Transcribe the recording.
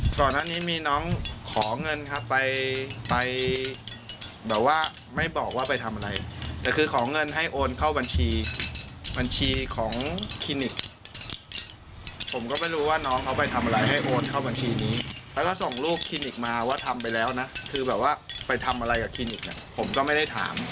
ก่อนหน้านี้มีน้องขอเงินครับไปไปแบบว่าไม่บอกว่าไปทำอะไรแต่คือขอเงินให้โอนเข้าบัญชีบัญชีของคลินิกผมก็ไม่รู้ว่าน้องเขาไปทำอะไรให้โอนเข้าบัญชีนี้แล้วก็ส่งลูกคลินิกมาว่าทำไปแล้วนะคือแบบว่าไปทำอะไรกับคลินิกอ่ะผมก็ไม่ได้ถาม